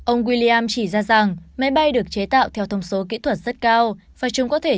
ông william chỉ ra rằng máy bay được chế tạo theo thông số kỹ thuật rất cao và chúng có thể